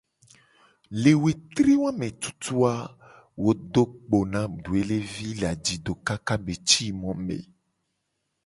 Le wetri wa me tutu a, wo do kpo doelevi le ajido kaka be ci mo me .